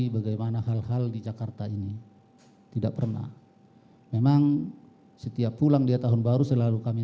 bagaimana hal hal di jakarta ini tidak pernah memang setiap pulang dia tahun baru selalu kami